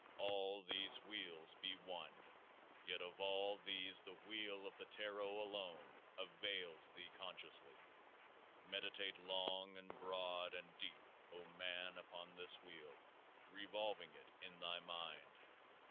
All these Wheels be one ; yet of all these the Wheel of the TARO alone avails thee con sciously. Meditate long and broad and deep, O man, upon this Wheel, revolving it in thy mind